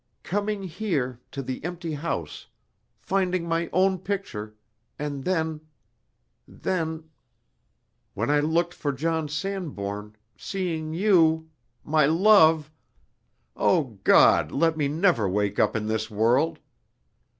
Coming here to the empty house finding my own picture and then then when I looked for John Sanbourne, seeing you my love! O God, let me never wake up in this world.